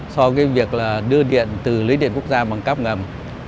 so với việc đưa điện từ lưới điện quốc gia bằng cắp ngầm